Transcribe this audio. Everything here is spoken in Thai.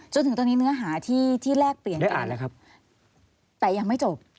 จนถึงตอนนี้เนื้อหาที่แรกเปลี่ยนกันครับแต่ยังไม่จบ